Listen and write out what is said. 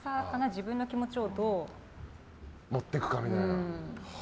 自分の気持ちをどう持っていくか。